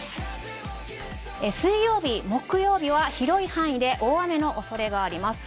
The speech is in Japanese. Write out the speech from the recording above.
水曜日、木曜日は広い範囲で大雨のおそれがあります。